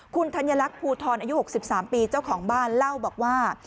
คุณธัญลักษณ์ภูทรอายุ๖๓ปีเจ้าของบ้านเล่าบอกว่า